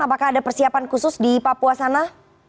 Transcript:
apakah ada persiapan khusus di papua sana